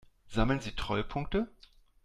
Sammeln Sie Treuepunkte?